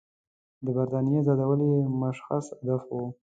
د برټانیې آزادول یې مشخص هدف وو.